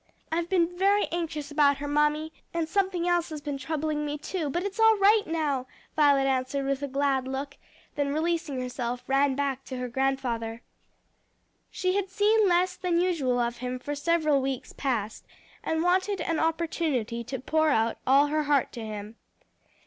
"I've been very anxious about her, mammy; and something else has been troubling me too, but it's all right now," Violet answered with a glad look, then releasing herself, ran back to her grandfather. She had seen less than usual of him for several weeks past, and wanted an opportunity to pour out all her heart to him.